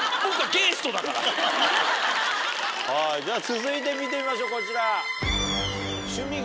続いて見てみましょうこちら。